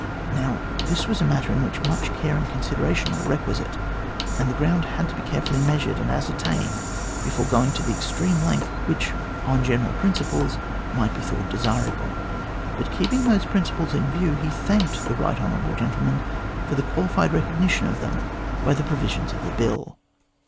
Now, this was a matter in which much care and consideration were requisite, and the ground had to be carefully measured and ascertained before going to the extreme length which on general principles might be thought desirable ; but, keeping those principles in view, he thanked the right lion, gentleman for the qualified recognition of them by the provisions of the Bill.